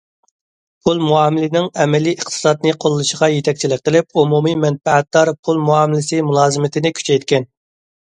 پۇل مۇئامىلىنىڭ ئەمەلىي ئىقتىسادنى قوللىشىغا يېتەكچىلىك قىلىپ، ئومۇمىي مەنپەئەتدار پۇل مۇئامىلىسى مۇلازىمىتىنى كۈچەيتكەن.